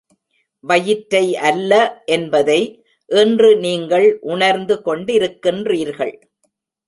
வயிற்றை அல்ல என்பதை இன்று நீங்கள் உணர்ந்து கொண்டிருக்கின்றீர்கள்.